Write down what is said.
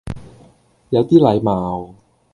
有啲禮貌